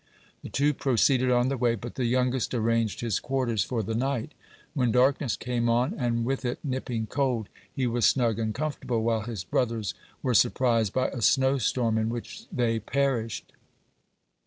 The two proceeded on their way, but the youngest arranged his quarters for the night. When darkness came on, and with it nipping cold, he was snug and comfortable, while his brothers were surprised by a snow storm, in which they perished.